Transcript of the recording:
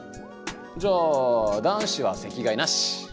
じゃあ男子は席替えなし！